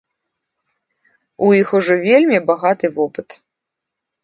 У іх ужо вельмі багаты вопыт.